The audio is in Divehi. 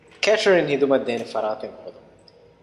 ކޭޓްރިންގ ޚިދުމަތްދޭނެ ފަރާތެއް ހޯދުން